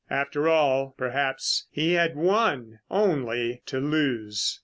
After all, perhaps he had won only to lose.